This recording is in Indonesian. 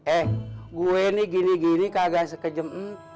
eh gue ini gini gini kagak sekejem